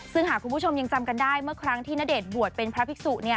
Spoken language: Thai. ซึ่งหากคุณผู้ชมยังจำกันได้เมื่อครั้งที่ณเดชน์บวชเป็นพระภิกษุ